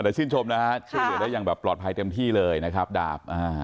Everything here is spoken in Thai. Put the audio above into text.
แต่ชื่นชมนะฮะช่วยเหลือได้อย่างแบบปลอดภัยเต็มที่เลยนะครับดาบอ่า